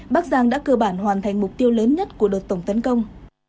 bắc giang đã cơ bản hoàn thành mục tiêu lớn nhất của đợt tổng tấn công